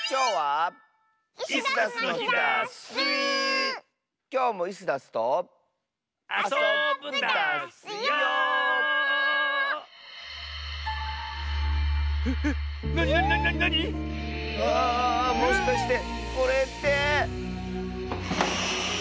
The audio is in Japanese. あもしかしてこれって。